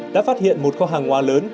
đã phát hiện một kho hàng hoa lớn